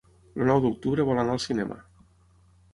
El nou d'octubre vol anar al cinema.